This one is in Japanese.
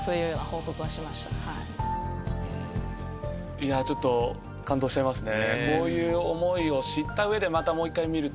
いやちょっと感動しちゃいますね。